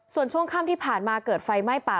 ส่วนช่วงค่ำที่ผ่านมาเกิดไฟไหม้ป่า